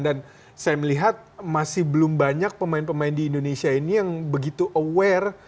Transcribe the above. dan saya melihat masih belum banyak pemain pemain di indonesia ini yang begitu aware